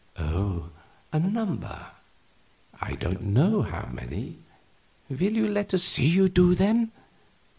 "Oh, a number; I don't know how many." "Will you let us see you do them?"